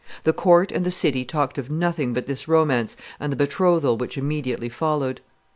The court and the city talked of nothing but this romance and the betrothal which immediately followed.